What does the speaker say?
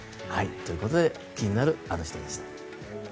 ということで気になるアノ人でした。